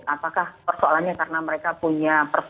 apakah persoalannya karena mereka punya persoalan yang tidak terkendali